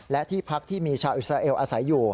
และที่พักที่มีชาวอิสราเอลอาศัยอยู่